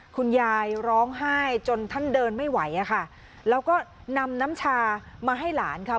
คุณยายร้องไห้จนท่านเดินไม่ไหวอะค่ะแล้วก็นำน้ำชามาให้หลานเขา